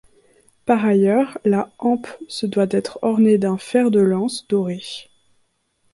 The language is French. Par ailleurs, la hampe se doit d’être orné d'un fer de lance doré.